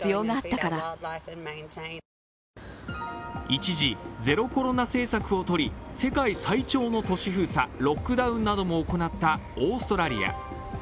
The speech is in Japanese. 一時期、ゼロコロナ政策をとり、世界最長の都市封鎖＝ロックダウンなども行ったオーストラリア。